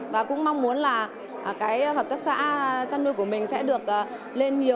và cũng mong muốn là cái hợp tác xã chăn nuôi của mình sẽ được bán được sản phẩm nhiều hơn